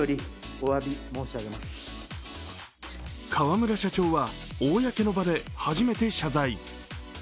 河村社長は公の場で初めて謝罪。